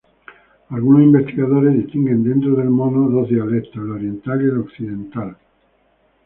Algunos investigadores distinguen dentro del Mono dos dialectos el oriental y el occidental.